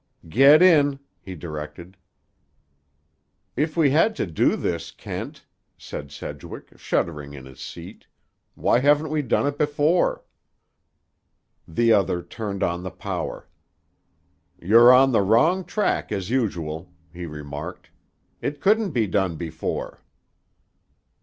"Get in," he directed. "If we had to do this, Kent," said Sedgwick, shuddering in his seat, "why haven't we done it before?" The other turned on the power. "You're on the wrong track as usual," he remarked. "It couldn't be done before."